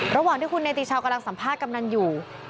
ระหว่างที่คุณเนติชาวกำลังสัมภาษณกำนันอยู่